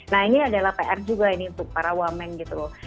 nah ini adalah pr juga ini untuk para wamen gitu loh